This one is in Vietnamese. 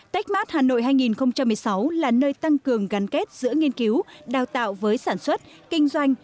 techmart hà nội hai nghìn một mươi sáu là nơi tăng cường gắn kết giữa nghiên cứu đào tạo với sản xuất kinh doanh